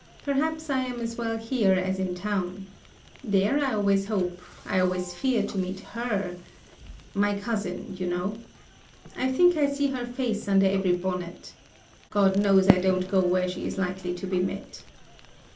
Perhaps I am as well here as in town. There I always hope, I always fear to meet her ... my cousin, you know. I think I see her face under every bonnet. God knows I don't go where she is likely to be met.